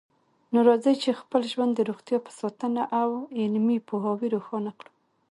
نو راځئ چې خپل ژوند د روغتیا په ساتنه او علمي پوهاوي روښانه کړو